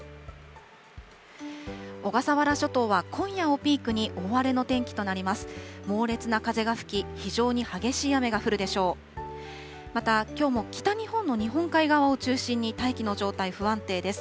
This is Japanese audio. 小笠原諸島は今夜をピークに大荒れの天気となります。